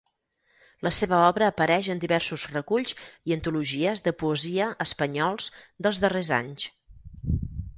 La seva obra apareix en diversos reculls i antologies de poesia espanyols dels darrers anys.